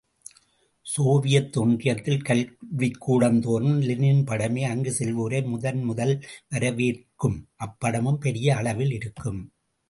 Soviet ஒன்றியத்தில், கல்விக்கூடந்தோறும், Lenin படமே அங்குச் செல்வோரை, முதன் முதல் வரவேற்கும், அப்படமும் பெரிய அளவில் இருக்கும்.